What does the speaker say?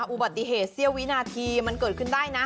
อุบัติเหตุเสี้ยววินาทีมันเกิดขึ้นได้นะ